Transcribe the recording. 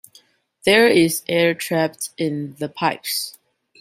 There is air trapped in the pipes.